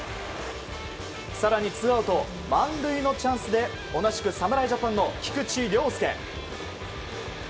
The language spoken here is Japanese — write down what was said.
更にツーアウト満塁のチャンスで同じく侍ジャパンの菊池涼介。